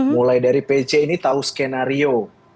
mulai dari pc ini tahu skenario